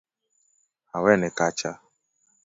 Awene kacha